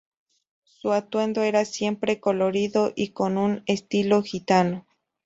Su atuendo era siempre colorido y con un estilo gitano.